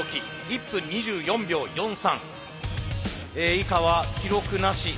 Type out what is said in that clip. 以下は記録なし。